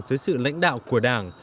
dưới sự lãnh đạo của đảng